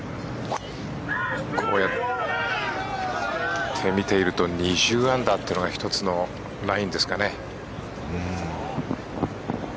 こうやって見ていると２０アンダーというのが１つのラインですかね。